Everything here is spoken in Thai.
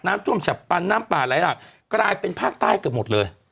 น้ำท่วมฉับปันน้ำป่าไหลหลากกลายเป็นภาคใต้เกือบหมดเลย